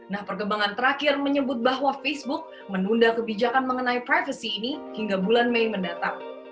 nah perkembangan terakhir menyebut bahwa facebook menunda kebijakan mengenai privacy ini hingga bulan mei mendatang